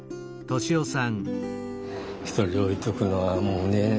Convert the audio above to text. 一人で置いておくのはもうね